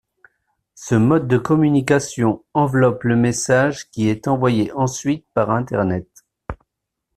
Ce mode de communication enveloppe le message qui est envoyé ensuite par Internet.